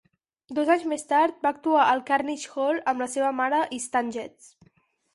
Dos anys més tard, va actuar al Carnegie Hall amb la seva mare i Stan Getz.